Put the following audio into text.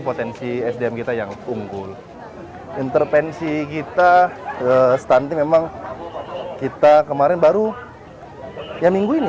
potensi sdm kita yang unggul intervensi kita stunting memang kita kemarin baru ya minggu ini